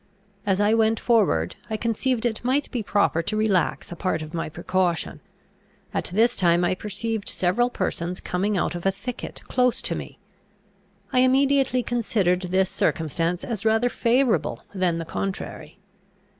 As I went forward, I conceived it might be proper to relax a part of my precaution. At this time I perceived several persons coming out of a thicket close to me. I immediately considered this circumstance as rather favourable than the contrary.